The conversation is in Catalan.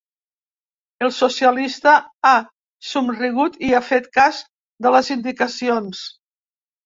El socialista ha somrigut i ha fet cas de les indicacions.